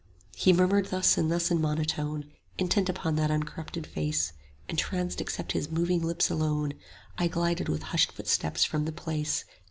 He murmured thus and thus in monotone, Intent upon that uncorrupted face, 65 Entranced except his moving lips alone: I glided with hushed footsteps from the place.